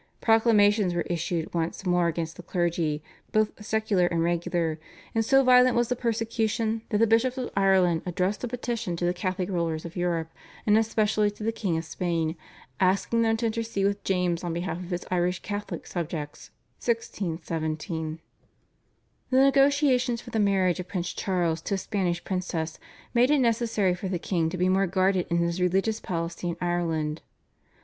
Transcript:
Proclamations were issued once more against the clergy, both secular and regular, and so violent was the persecution that the Bishops of Ireland addressed a petition to the Catholic rulers of Europe, and especially to the King of Spain, asking them to intercede with James on behalf of his Irish Catholic subjects (1617). The negotiations for the marriage of Prince Charles to a Spanish princess made it necessary for the king to be more guarded in his religious policy in Ireland.